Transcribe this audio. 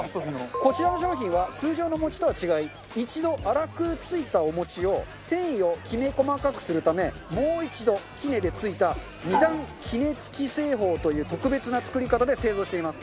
こちらの商品は通常の餅とは違い一度粗くついたお餅を繊維をきめ細かくするためもう一度杵でついた２段杵つき製法という特別な作り方で製造しています。